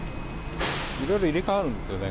いろいろ入れ替わるんですよね。